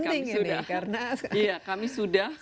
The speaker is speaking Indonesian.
karena kami sudah